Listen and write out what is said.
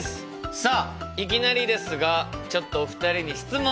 さあいきなりですがちょっとお二人に質問！